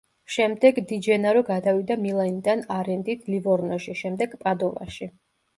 შემდეგ დი ჯენარო გადავიდა „მილანიდან“ არენდით „ლივორნოში“, შემდეგ „პადოვაში“.